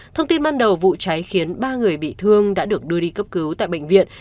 thông tin ban đầu vụ cháy khiến ba người bị thương đã được đưa đi cấp cứu tại bệnh viện